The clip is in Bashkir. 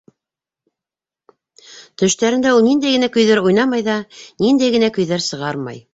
Төштәрендә ул ниндәй генә көйҙәр уйнамай ҙа, ниндәй генә көйҙәр сығармай.